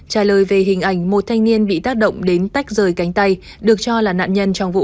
trả lời về hình ảnh một thanh niên bị tác động đến tách rời cánh tay được cho là nạn nhân trong vụ